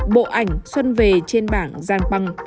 bộ ảnh xuân về trên bảng giang quăng